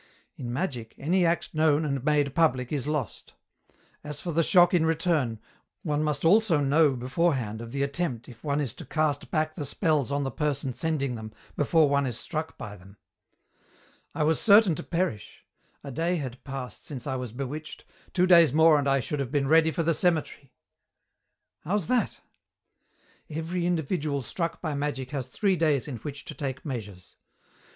In magic, any act known and made public is lost. As for the shock in return, one must also know beforehand of the attempt if one is to cast back the spells on the person sending them before one is struck by them. "I was certain to perish. A day had passed since I was bewitched. Two days more and I should have been ready for the cemetery." "How's that?" "Every individual struck by magic has three days in which to take measures.